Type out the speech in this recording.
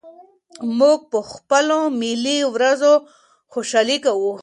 موږ په خپلو ملي ورځو خوشالي کوو.